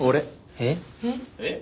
えっ。